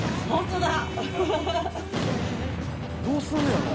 どうすんのやろう？